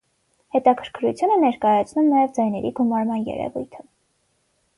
Հետաքրքրություն է ներկայացնում նաև ձայների գումարման երևույթը։